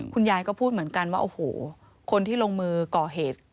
คุณยายก็พูดเหมือนกันว่าโอ้โหคนที่ลงมือก่อเหตุ